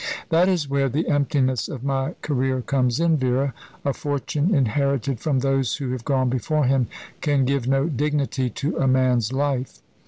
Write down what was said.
That is where the emptiness of my career comes in, Vera. A fortune inherited from those who have gone before him can give no dignity to a man's life.